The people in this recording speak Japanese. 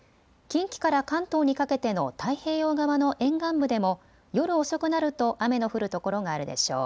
近畿から関東にかけての太平洋側の沿岸部でも夜遅くなると雨の降る所があるでしょう。